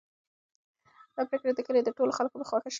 دا پرېکړه د کلي د ټولو خلکو په خوښه شوه.